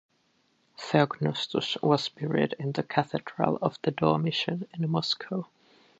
Theognostus was buried in the Cathedral of the Dormition in Moscow.